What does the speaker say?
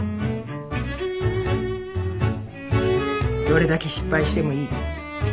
どれだけ失敗してもいい。